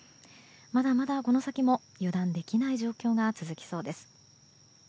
まだまだこの先も油断できない状況が続きそうです。